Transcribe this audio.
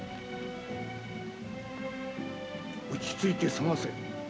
落ち着いて捜せ。